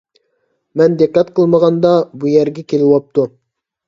مەن دىققەت قىلمىغاندا، بۇ يەرگە كېلىۋاپتۇ.